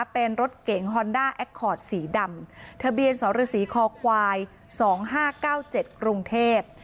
เป็นรถเก๋งฮอนด้าแอคคอร์ดสีดำทะเบียนสรสีคอควาย๒๕๙๗กรุงเทพ